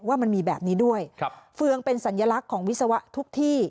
ว่ามันมีแบบนี้ด้วยเฟืองเป็นสัญลักษณ์ของวิศวะทุกที่